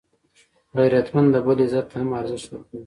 غیرتمند د بل عزت ته هم ارزښت ورکوي